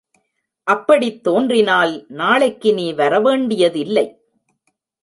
அப்படித் தோன்றினால், நாளைக்கு நீ வரவேண்டியதில்லை.